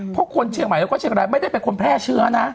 เพราะคนเชียงใหม่แล้วก็เชียงรายไม่ได้เป็นคนแพร่เชื้อนะ